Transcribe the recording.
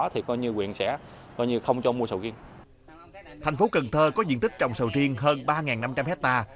thành phố cần thơ có diện tích trồng sầu riêng hơn ba năm trăm linh hectare